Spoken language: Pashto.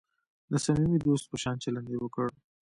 د صمیمي دوست په شان چلند یې وکړ.